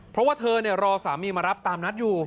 เพราะว่าเธอรอสามีมารับตามนัดอยู่